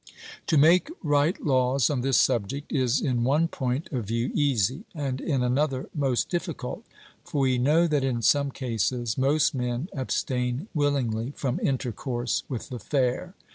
To make right laws on this subject is in one point of view easy, and in another most difficult; for we know that in some cases most men abstain willingly from intercourse with the fair.